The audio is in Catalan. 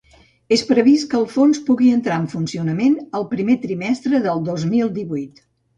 És previst que el fons pugui entrar en funcionament el primer trimestre del dos mil divuit.